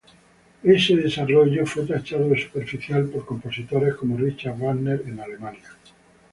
Ese desarrollo fue tachado de superficial por compositores como Richard Wagner en Alemania.